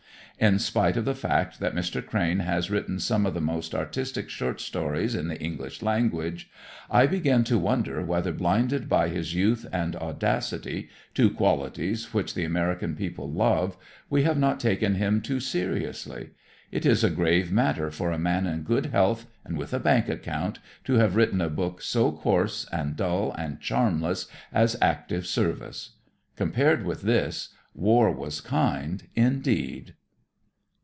In spite of the fact that Mr. Crane has written some of the most artistic short stories in the English language, I begin to wonder whether, blinded by his youth and audacity, two qualities which the American people love, we have not taken him too seriously. It is a grave matter for a man in good health and with a bank account to have written a book so coarse and dull and charmless as "Active Service." Compared with this "War was kind," indeed.